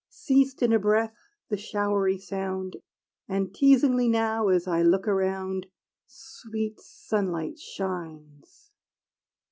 Ceased in a breath the showery sound; And teasingly, now, as I look around, Sweet sunlight shines!